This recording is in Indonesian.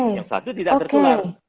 yang satu tidak tertular